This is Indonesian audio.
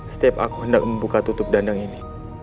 setiap aku hendak membuka tutup dandang ini